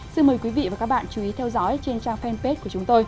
xin mời quý vị và các bạn chú ý theo dõi trên trang fanpage của chúng tôi